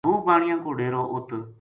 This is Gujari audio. محبوب بانیا کو ڈیرو اُ